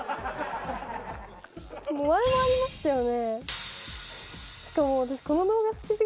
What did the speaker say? もう、前もありましたよね。